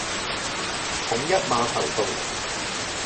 統一碼頭道